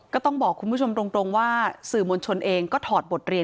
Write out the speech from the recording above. ก็ต้องบอกคุณผู้ชมตรงว่าสื่อมวลชนเองก็ถอดบทเรียน